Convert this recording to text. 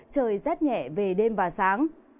trời rét nhẹ về đêm và sáng